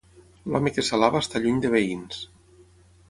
L'home que s'alaba està lluny de veïns.